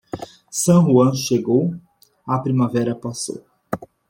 San Juan chegou, a primavera passou.